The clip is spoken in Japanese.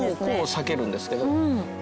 さけるんですけど。